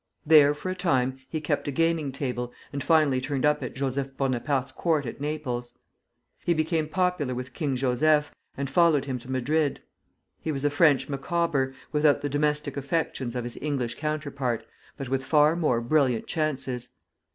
There for a time he kept a gaming table, and finally turned up at Joseph Bonaparte's court at Naples. He became popular with King Joseph, and followed him to Madrid. He was a French Micawber, without the domestic affections of his English counterpart, but with far more brilliant chances.